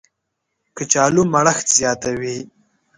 کچالو مړښت زیاتوي